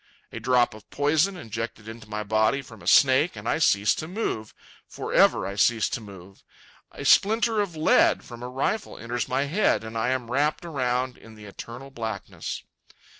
A drop of poison injected into my body from a snake, and I cease to move—for ever I cease to move. A splinter of lead from a rifle enters my head, and I am wrapped around in the eternal blackness.